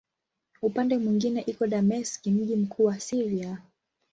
Upande mwingine iko Dameski, mji mkuu wa Syria.